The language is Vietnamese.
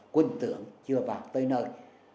quân tưởng chưa vào tới nơi